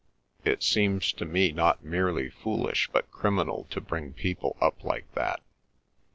It seems to me not merely foolish but criminal to bring people up like that.